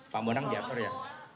pak monang diatur ya